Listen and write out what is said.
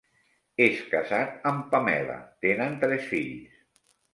És casat amb Pamela; tenen tres fills.